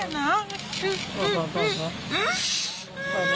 ลูกมาแล้วลูก